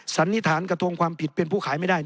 สันนิษฐานกระทงความผิดเป็นผู้ขายไม่ได้